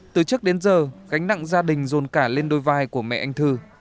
từ trước đến giờ gánh nặng gia đình dồn cả lên đôi vai của mẹ anh thư